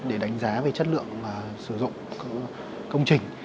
để đánh giá về chất lượng và sử dụng công trình